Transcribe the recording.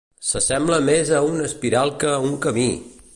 S'assembla més a una espiral que a un camí!